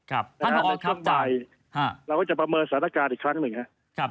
ถ้าในช่วงบ่ายเราก็จะประเมินสถานการณ์อีกครั้งหนึ่งครับ